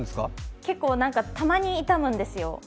結構、たまに痛むんですよ。